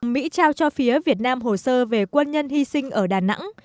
mỹ trao cho phía việt nam hồ sơ về quân nhân hy sinh ở đà nẵng